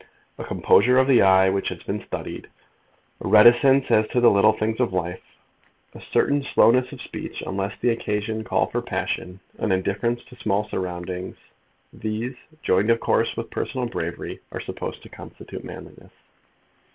A composure of the eye, which has been studied, a reticence as to the little things of life, a certain slowness of speech unless the occasion call for passion, an indifference to small surroundings, these, joined, of course, with personal bravery, are supposed to constitute manliness.